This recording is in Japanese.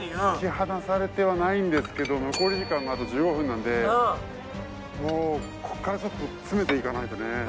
引き離されてはないんですけど残り時間があと１５分なんでもうここからちょっと詰めていかないとね。